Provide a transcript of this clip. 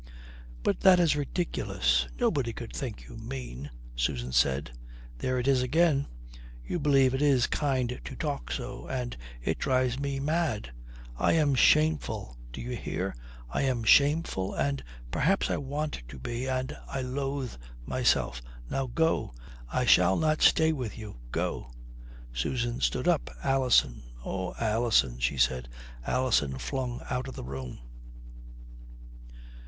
"But that is ridiculous. Nobody could think you mean," Susan said. "There it is again. You believe it is kind to talk so, and it drives me mad. I am shameful do you hear? I am shameful and perhaps I want to be, and I loathe myself. Now, go. I shall not stay with you. Go." Susan stood up. "Alison, oh, Alison," she said. Alison flung out of the room.